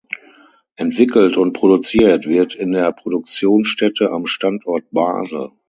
Entwickelt und produziert wird in der Produktionsstätte am Standort Basel.